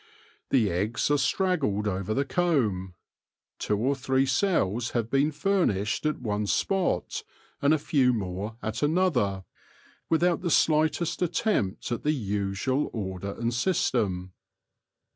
The eggs are straggled over the comb. Two or three cells have been fur nished at one spot and a few more at another, without the slightest attempt at the usual order and system.